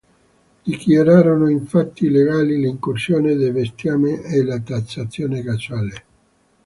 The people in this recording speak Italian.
Dichiararono infatti illegali le incursioni di bestiame e la tassazione casuale.